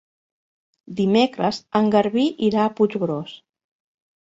Dimecres en Garbí irà a Puiggròs.